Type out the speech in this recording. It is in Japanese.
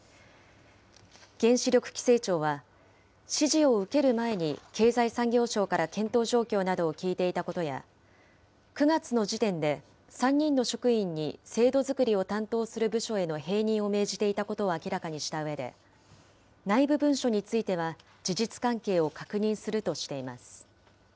原子力規制庁は、指示を受ける前に経済産業省から検討状況などを聞いていたことや、９月の時点で３人の職員に制度づくりを担当する部署への併任を命じていたことを明らかにしたうえで、内部文書については、事実関係を確認するとしています。